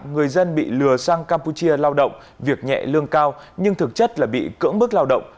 người dân bị lừa sang campuchia lao động việc nhẹ lương cao nhưng thực chất là bị cưỡng bức lao động